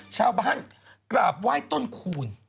ชาวบ้านกราบไหว้ต้นคูณ